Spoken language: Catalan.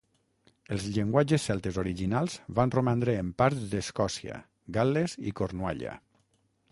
Els llenguatges celtes originals van romandre en parts d'Escòcia, Gal·les i Cornualla.